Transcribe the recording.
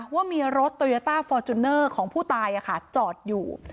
ว่ามีรถโตเยอต้าฟอร์จุนเนอร์ของผู้ตายอ่ะค่ะจอดอยู่